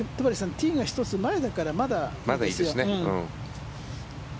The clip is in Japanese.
ティーが１つ前だからまだいいですよ。